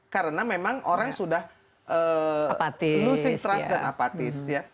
karena memang orang sudah losing trust dan apatis